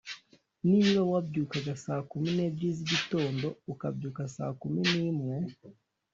Niba wabyukaga saa kumi n’ebyiri z’igitondo ukabyuka saa kumi n’imwe